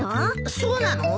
そうなの？